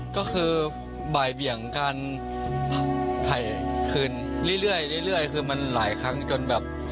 ก็คือบ่ายเบี่ยงการถ่ายคืนเรื่อยคือมันหลายครั้งจนแบบ